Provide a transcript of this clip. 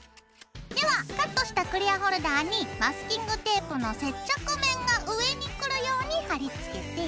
ではカットしたクリアホルダーにマスキングテープの接着面が上にくるように貼りつけて。